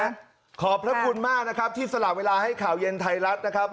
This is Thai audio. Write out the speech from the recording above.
อาจารย์นะครับขอบพระคุณมากที่สละเวลาให้ข่าวเย็นไทยรัฐนะครับ